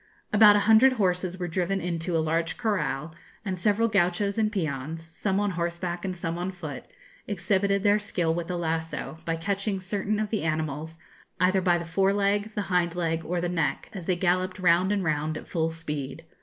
About a hundred horses were driven into a large corral, and several gauchos and peons, some on horseback and some on foot, exhibited their skill with the lasso, by catching certain of the animals, either by the fore leg, the hind leg, or the neck, as they galloped round and round at full speed.